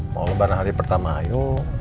mau lebaran hari pertama ayo